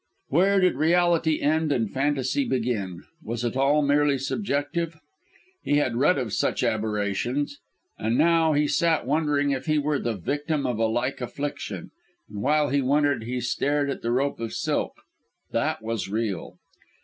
Where did reality end and phantasy begin? Was it all merely subjective? He had read of such aberrations. And now he sat wondering if he were the victim of a like affliction and while he wondered he stared at the rope of silk. That was real.